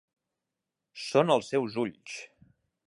Són els seus ulls.